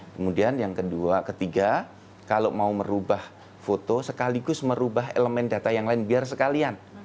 kemudian yang kedua ketiga kalau mau merubah foto sekaligus merubah elemen data yang lain biar sekalian